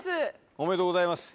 おめでとうございます